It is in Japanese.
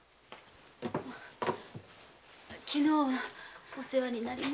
昨日はお世話になりました。